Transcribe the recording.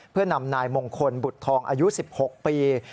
เพื่อนำนายมงคลบุตรทองอายุ๑๖ปี